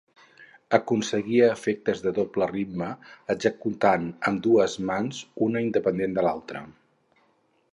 Aconseguia efectes de doble ritme executant amb ambdues mans, una independent de l'altra.